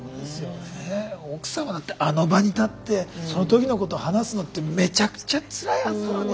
奥様だってあの場に立ってそのときのこと話すのってめちゃくちゃつらいはずなのに。